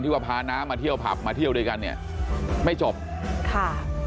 ว่าพาน้ำมาเที่ยวผับมาเที่ยวด้วยกันเนี่ยไม่จบค่ะ